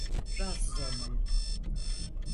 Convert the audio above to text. Rahatsız olmayın.